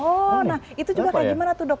oh nah itu juga kayak gimana tuh dok